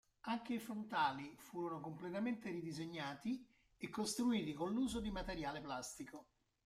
Anche i frontali furono completamente ridisegnati, e costruiti con l'uso di materiale plastico.